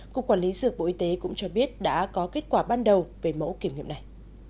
cục quản lý dược bộ y tế cũng cho biết đã có kết quả ban đầu về mẫu kiểm nghiệm này